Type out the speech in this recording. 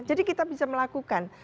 jadi kita bisa melakukan